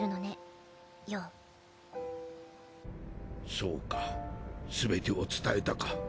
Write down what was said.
そうかすべてを伝えたか。